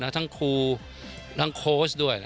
ทั้งครูทั้งโค้ชด้วย